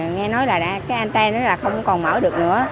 nghe nói là cái anten là không còn mở được nữa